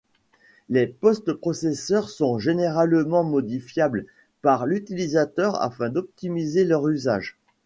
Les post-processeurs sont généralement modifiables par l'utilisateur afin d'optimiser leur usage.